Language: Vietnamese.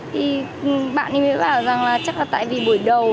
thì bạn ấy mới bảo rằng là chắc là tại vì buổi đầu